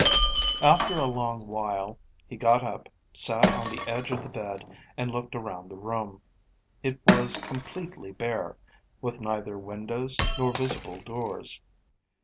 After a long while, he got up, sat on the edge of the bed, and looked around the room. It was completely bare, with neither windows nor visible doors.